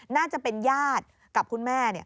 น่าจะเป็นญาติกับคุณแม่